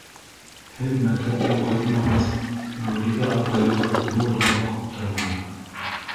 — Һеҙ мәктәптән ҡайтмағас, Мәүлиҙә апайығыҙ ҙур ғауға ҡуптарған.